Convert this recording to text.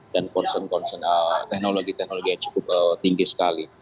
dan konsen konsen teknologi teknologi yang cukup tinggi sekali